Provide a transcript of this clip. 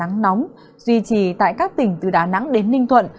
nắng nóng duy trì tại các tỉnh từ đà nẵng đến ninh thuận